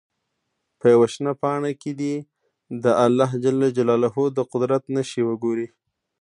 په یوه شنه پاڼه کې دې د الله د قدرت نښې وګوري.